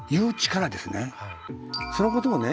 そのことをね